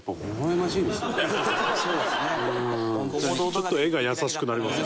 ちょっと画が優しくなりますね。